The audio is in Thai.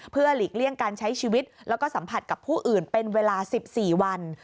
เพื่อหลีกเลี่ยงการใช้ชีวิตแล้วก็สัมผัสกับผู้อื่นเป็นเวลา๑๔วัน